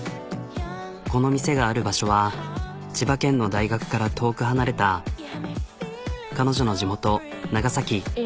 この店がある場所は千葉県の大学から遠く離れた彼女の地元長崎。